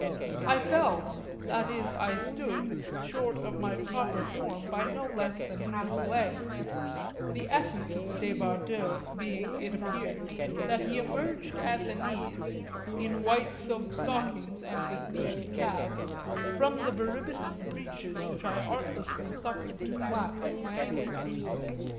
I fell, that is I stood, short of my proper form by no less than half a leg; the essence of the débardeur being, it appeared, that he emerged at the knees, in white silk stockings and with neat calves, from the beribboned breeches which I artlessly suffered to flap at my ankles.